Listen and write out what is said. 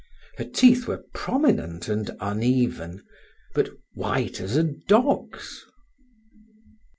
Her teeth were prominent and uneven, but white as a dog's.